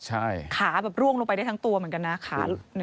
ใช่ขาแบบร่วงลงไปได้ทั้งตัวเหมือนกันนะขา